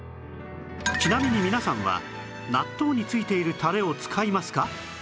ちなみに皆さんは納豆に付いているタレを使いますか？